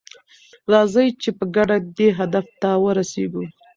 راځئ چې په ګډه دې هدف ته ورسیږو.